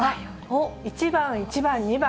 １番、１番、２番。